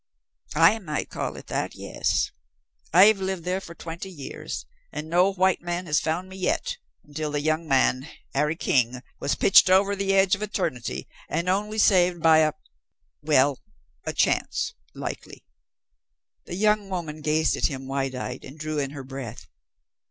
"I might call it that yes. I've lived there for twenty years and no white man has found me yet, until the young man, Harry King, was pitched over the edge of eternity and only saved by a well a chance likely." The young woman gazed at him wide eyed, and drew in her breath.